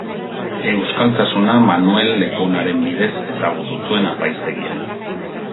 Euskaltasuna Manuel Lekuonaren bidez ezagutu zuen apaiztegian.